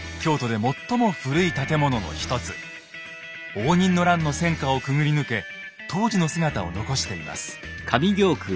応仁の乱の戦火をくぐり抜け当時の姿を残しています。